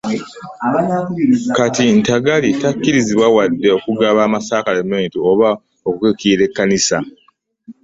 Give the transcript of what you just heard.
Kati Ntagali takkirizibwa wadde okugaba amasakaramentu oba okukiikirira ekkanisa.